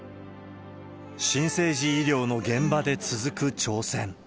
新生児医療の現場で続く挑戦。